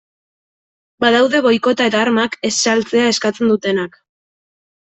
Badaude boikota eta armak ez saltzea eskatzen dutenak.